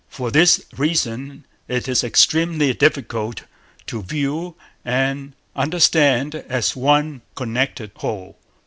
For this reason it is extremely difficult to view and understand as one connected whole.